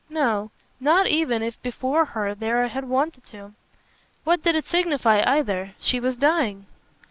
No, not even if before her there I had wanted to. What did it signify either? She was dying."